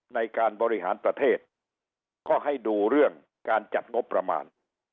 ในการบริหารประเทศก็ให้ดูเรื่องการจัดงบประมาณ